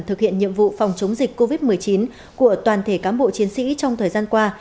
thực hiện nhiệm vụ phòng chống dịch covid một mươi chín của toàn thể cán bộ chiến sĩ trong thời gian qua